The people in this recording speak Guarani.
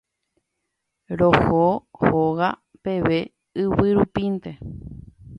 Roho hóga peve yvy rupínte.